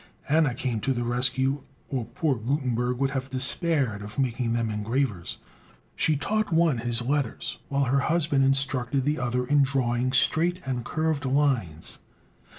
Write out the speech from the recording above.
Anna came to the rescue, or poor Gutenberg would have despaired of making them engravers. She taught one his letters, while her husband instructed the other in drawing straight and curved lines.